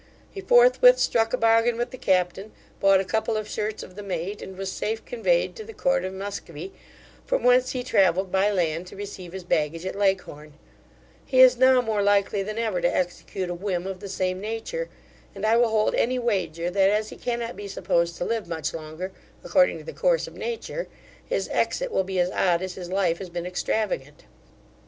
He forthwith struck a bargain with the captain; bought a couple of shirts of the mate, and was safe conveyed to the court of Muscovy, from whence he travelled by land to receive his baggage at Leghorn He is now more likely than ever to execute a whim of the same nature; and I will hold any wager, that as he cannot be supposed to live much longer, according to the course of nature, his exit will be as odd as his life has been extravagant.